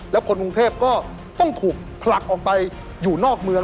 แล้วคนกรุงเทพก็ต้องถูกผลักออกไปอยู่นอกเมือง